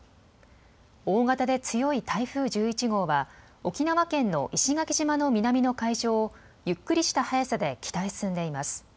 大型で強い台風１１号は沖縄県の石垣島の南の海上をゆっくりした速さで北へ進んでいます。